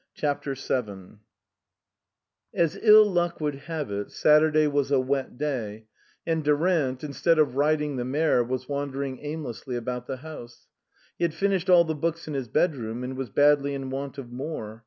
71 CHAPTER VII AS ill luck would have it Saturday was a wet day, and Durant, instead of riding the mare, was wandering aimlessly about the house. He had finished all the books in his bedroom and was badly in want of more.